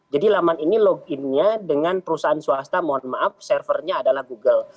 jadi laman ini loginnya dengan perusahaan swasta mohon maaf servernya adalah google